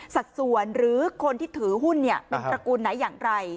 สัดส่วนหรือคนที่ถือหุ้นเป็นตระกูลไหนอย่างไร